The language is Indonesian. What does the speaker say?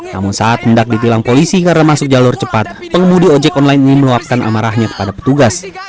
namun saat mendak ditilang polisi karena masuk jalur cepat pengemudi ojek online ini meluapkan amarahnya kepada petugas